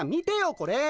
これ。